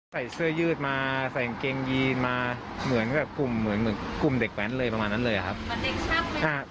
ใส่เสื้อยืดมาใส่กางเกงยีนมาเหมือนกับกลุ่มเหมือนกลุ่มเด็กแว้นเลยประมาณนั้นเลยครับ